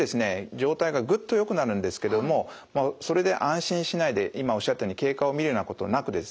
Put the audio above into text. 状態がぐっとよくなるんですけどもそれで安心しないで今おっしゃったように経過を見るようなことなくですね